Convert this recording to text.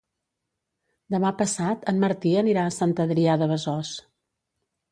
Demà passat en Martí anirà a Sant Adrià de Besòs.